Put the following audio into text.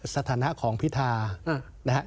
สถานะของพิทานะครับ